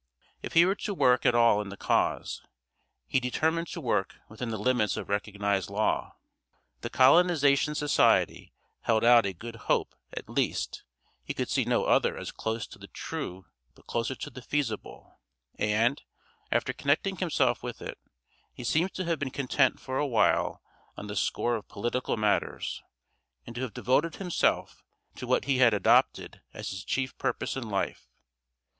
If he were to work at all in the cause, he determined to work within the limits of recognized law. The Colonization Society held out a good hope; at least, he could see no other as close to the true but closer to the feasible; and, after connecting himself with it, he seems to have been content for a while on the score of political matters, and to have devoted himself to what he had adopted as his chief purpose in life.